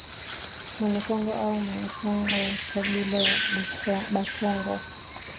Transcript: Mwene Kongo au Manikongo wa kabila la Bakongo